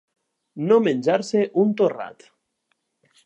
No menjar-se un torrat.